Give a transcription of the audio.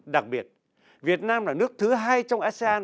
đặc biệt việt nam là nước thứ hai trong asean